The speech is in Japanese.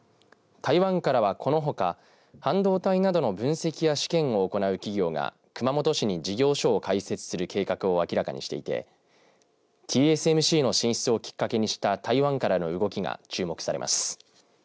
台湾からは、このほか半導体などの分析や試験を行う企業が熊本市に事業所を開設する計画を明らかにしていてＴＳＭＣの進出をきっかけにした台湾からの動きが注目されます。